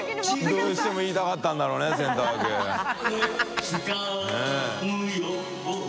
どうしても言いたかったんだろうねセンター分け。）つかむよう）